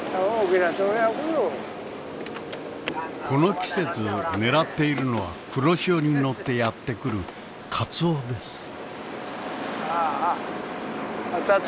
この季節狙っているのは黒潮に乗ってやってくるカツオです。